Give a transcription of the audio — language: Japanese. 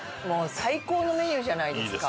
最高のメニューじゃないですか！